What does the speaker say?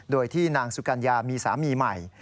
โดยที่นางสุกัญญามีสามีใหม่